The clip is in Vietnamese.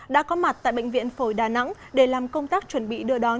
đã có mặt tại bệnh viện phổi đà nẵng để làm công tác chuẩn bị đưa đón